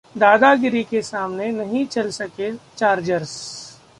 ‘दादागीरी’ के सामने नहीं चल सके चार्जर्स